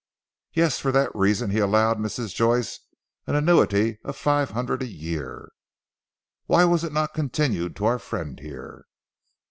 "Yes! For that reason he allowed Mrs. Joyce an annuity of five hundred a year." "Why was it not continued to our friend here?"